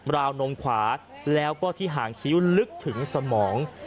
วนมขวาแล้วก็ที่ห่างคิ้วลึกถึงสมอง